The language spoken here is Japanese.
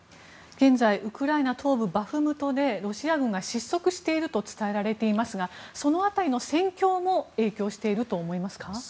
現在ウクライナ東部バフムトでロシア軍が失速していると伝えられていますがその辺りの戦況も影響していると思いますか？